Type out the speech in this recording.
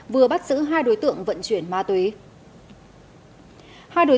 vừa bắt giữ hai đối tượng vận chuyển ma túy